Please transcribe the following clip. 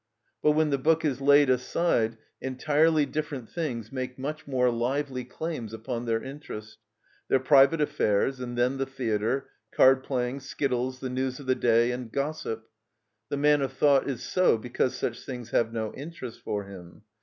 But when the book is laid aside entirely different things make much more lively claims upon their interest; their private affairs, and then the theatre, card playing, skittles, the news of the day, and gossip. The man of thought is so because such things have no interest for him.